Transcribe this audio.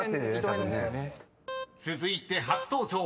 ［続いて初登場］